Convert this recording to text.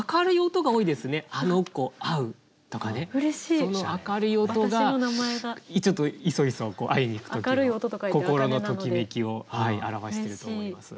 その明るい音がちょっといそいそ会いに行く時の心のときめきを表してると思います。